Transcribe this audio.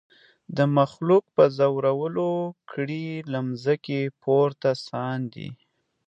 د مخلوق په زورولو کړي له مځکي پورته ساندي